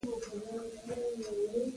لوړه پټه وساتي.